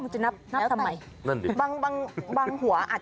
จริง